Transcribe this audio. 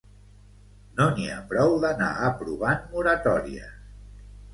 No n’hi ha prou d’anar aprovant moratòries.